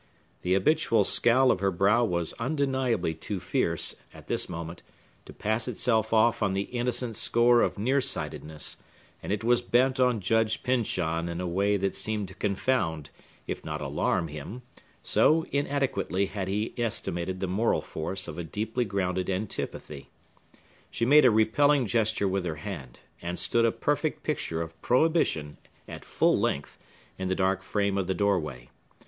The habitual scowl of her brow was undeniably too fierce, at this moment, to pass itself off on the innocent score of near sightedness; and it was bent on Judge Pyncheon in a way that seemed to confound, if not alarm him, so inadequately had he estimated the moral force of a deeply grounded antipathy. She made a repelling gesture with her hand, and stood a perfect picture of prohibition, at full length, in the dark frame of the doorway.